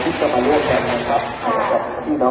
ใช่ถ้าท่านอยู่ด้านข้างจะเห็นหมวดหนัง